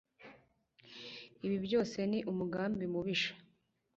Ibi byose ni umugambi mubisha